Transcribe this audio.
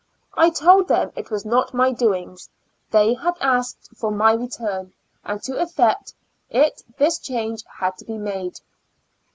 I told them it was not my doings ; they had asked for my return, and to efiect it this change had to be made.